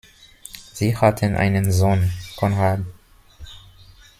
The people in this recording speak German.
Sie hatten einen Sohn: Conrad.